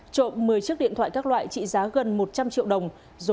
trộm một mươi chiếc điện thoại các loại trị giá gần một trăm linh triệu đồng